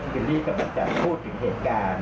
ยินดีกำลังจะพูดถึงเหตุการณ์